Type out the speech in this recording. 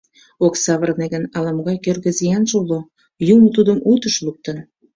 Ок савырне гын, ала-могай кӧргӧ зиянже уло, юмо тудым утыш луктын.